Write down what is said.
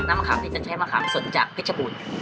น้ำมะขามนี่จะใช้มะขามสดจากพริกชะบุญ